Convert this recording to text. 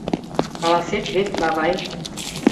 — Каласет вет, бавай?